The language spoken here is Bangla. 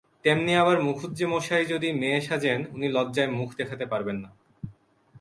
তেমনি আবার মুখুজ্যেমশায় যদি মেয়ে সাজেন, উনি লজ্জায় মুখ দেখাতে পারবেন না।